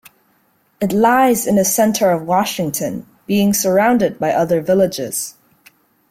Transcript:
It lies in the centre of Washington, being surrounded by other villages.